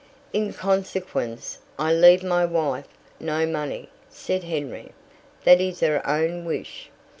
"In consequence, I leave my wife no money," said Henry. "That is her own wish.